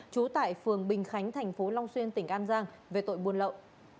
trú tại phường bình khánh thành phố long xuyên tỉnh an giang về tội buôn lậu